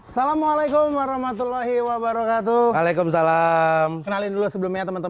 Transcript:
seterusnya lucas tengger dengan